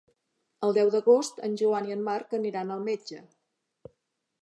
El deu d'agost en Joan i en Marc aniran al metge.